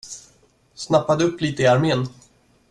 Snappade upp lite i armén.